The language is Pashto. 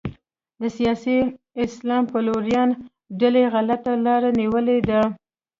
د سیاسي اسلام پلویانو ډلې غلطه لاره نیولې ده.